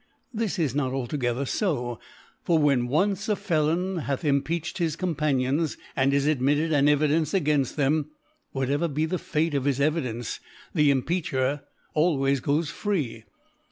This is not altogether fo : For when once a Felon hath Impeach ed his Companions, and is admitted an Evi dence againfl: them, whatever be the Fate of his Evidence, the Impeacher always goes free.